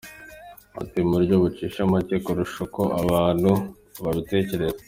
Ati “Mu buryo bucishije make kurusha uko abantu babitekereza.